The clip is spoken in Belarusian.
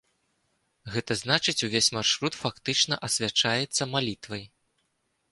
Гэта значыць, увесь маршрут фактычна асвячаецца малітвай.